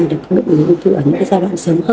được các bệnh lý uống thư ở những giai đoạn sớm hơn